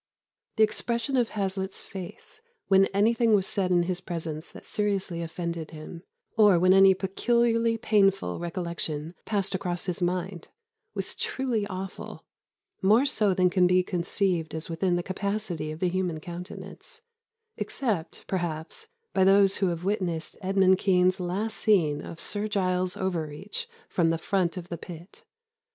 The expression of Hazlitt's face, when anything was said in his presence that seriously offended him, or when any peculiarly painful recollection passed across his mind, was truly awful, more so than can be conceived as within the capacity of the human countenance; except, perhaps, by those who have witnessed Edmund Kean's last scene of 'Sir Giles Overreach' from the front of the pit.